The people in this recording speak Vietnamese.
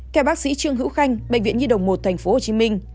theo bác sĩ trương hữu khanh bệnh viện nhi đồng một tp hcm